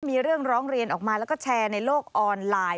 มีเรื่องร้องเรียนออกมาแล้วก็แชร์ในโลกออนไลน์